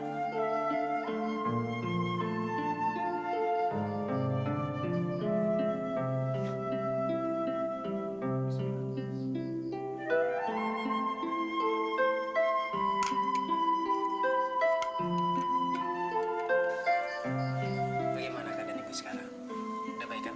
bagaimana keadaan ibu sekarang udah baik baik